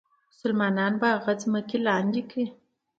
مسلمانان به هغه ځمکې لاندې کړي.